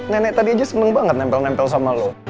nenek tadi aja seneng banget nempel nempel sama lo